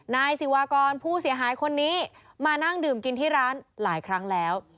นายศิวากรผู้เสียหายคนนี้มานั่งดื่มกินที่ร้านหลายครั้งแล้ว